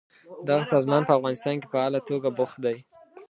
دغه سازمان په افغانستان کې فعاله توګه بوخت دی.